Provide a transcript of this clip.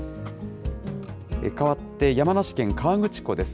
かわって山梨県河口湖です。